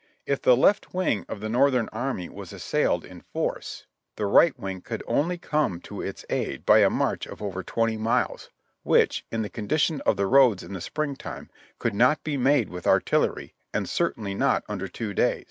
If the left wing of the Northern army was assailed in force, the right wing could only come to its aid by a marcli of over twenty miles, which, in the condition of the roads in the springtime, could not be made with artillery, and certainly not under two days.